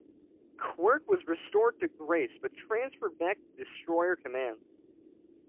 Quirk was restored to grace, but transferred back to destroyer commands.